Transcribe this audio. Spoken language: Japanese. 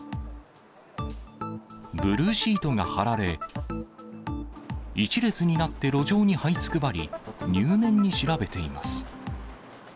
ブルーシートが張られ、一列になって路上にはいつくばり、入念に調べています。